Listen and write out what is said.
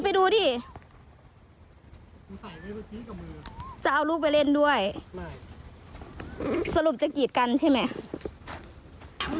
ไปดูดิจะเอาลูกไปเล่นด้วยไม่สรุปจะกีดกันใช่ไหม